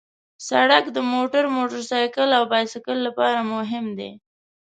سړک د موټر، موټرسایکل او بایسکل لپاره مهم دی.